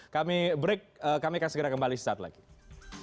kami break kami akan segera kembali setelah itu